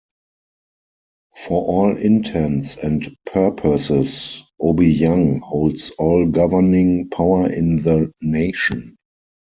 For all intents and purposes, Obiang holds all governing power in the nation.